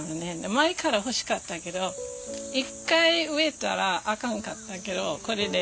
前から欲しかったけど一回植えたらあかんかったけどこれで２回目で。